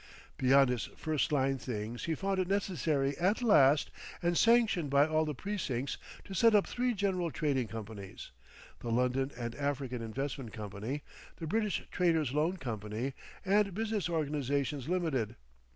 Behind his first line things he found it necessary at last, and sanctioned by all the precincts, to set up three general trading companies, the London and African Investment Company, the British Traders' Loan Company, and Business Organisations Limited.